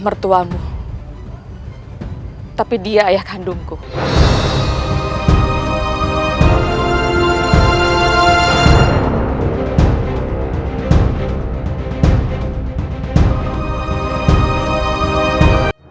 dan kita bisa mengumpulkan pasukan untuk membangun kekuatan